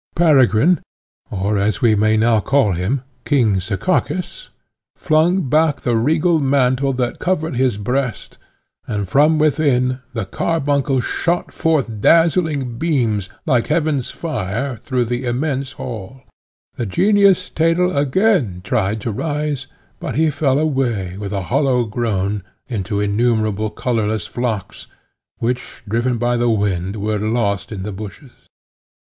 Peregrine, or, as we may now call him, King Sekakis, flung back the regal mantle that covered his breast, and, from within, the carbuncle shot forth dazzling beams, like Heaven's fire, through the immense hall. The Genius, Thetel, again tried to rise, but he fell away, with a hollow groan, into innumerable colourless flocks, which, driven by the wind, were lost in the bushes.